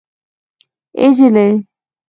اي نجلۍ